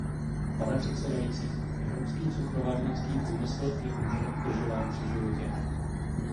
Pane předsedající, evropský cukrovarnický průmysl je uměle udržován při životě.